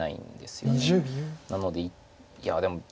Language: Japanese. なのでいやでもあれ？